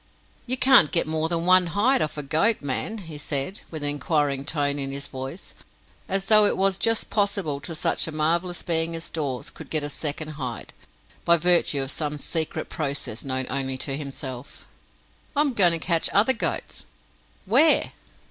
"You can't get more than one hide off a goat, man?" he said, with an inquiring tone in his voice as though it was just possible that such a marvellous being as Dawes could get a second hide, by virtue of some secret process known only to himself. "I am going to catch other goats." "Where?"